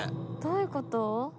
どういうこと？